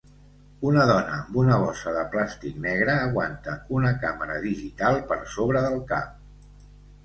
Una dona amb una bossa de plàstic negra aguanta una càmera digital per sobre del cap.